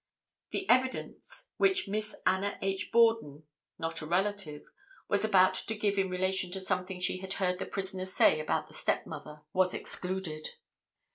The evidence which Miss Anna H. Borden (not a relative) was about to give in relation to something she had heard the prisoner say about her stepmother was excluded.